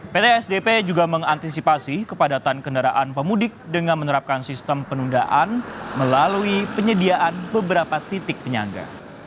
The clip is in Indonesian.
pt sdp juga mengantisipasi kepadatan kendaraan pemudik dengan menerapkan sistem penundaan melalui penyediaan beberapa titik penyangga